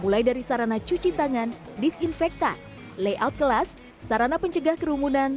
mulai dari sarana cuci tangan disinfektan layout kelas sarana pencegah kerumunan